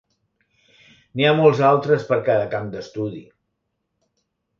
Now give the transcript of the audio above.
N'hi ha molts altres per a cada camp d'estudi.